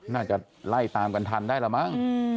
น่าจะไล่ตามกันทันได้ละมั้ง